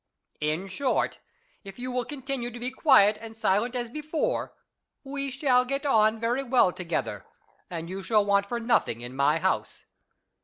In short, if you will continue to be quiet and silent as before, we shall get on very well together, and you shall want for nothing in my house.